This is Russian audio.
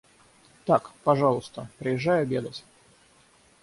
Так, пожалуйста, приезжай обедать.